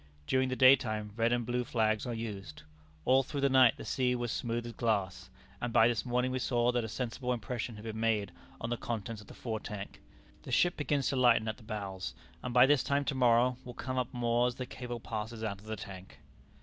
During the daytime red and blue flags are used. All through the night the sea was smooth as glass, and by this morning we saw that a sensible impression had been made on the contents of the fore tank. The ship begins to lighten at the bows, and by this time to morrow will come up more as the cable passes out of the tank.